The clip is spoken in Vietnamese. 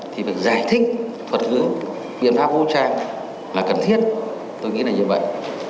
thiết thuật gửi biện pháp vũ trang là cần thiết tôi nghĩ là như vậy